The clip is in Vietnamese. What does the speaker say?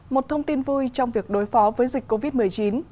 một thông tin vui trong việc đối phó với dịch covid một mươi chín